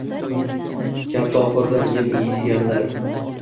Katta oxurdan yem yeydiganlar